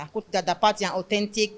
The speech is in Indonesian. aku tidak dapat yang autentik